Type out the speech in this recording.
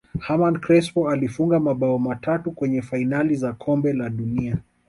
hernan crespo alifunga mabao matatu kwenye fainali za kombe la dunia